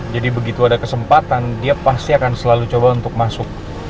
jadi begitu ada kesempatan dia pasti akan selalu coba untuk masuk